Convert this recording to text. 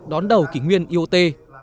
đón đầu kỷ nguyên iot